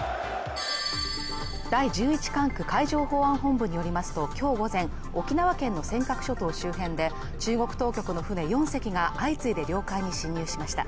第１１管区海上保安本部によりますときょう午前沖縄県の尖閣諸島周辺で中国当局の船４隻が相次いで領海に侵入しました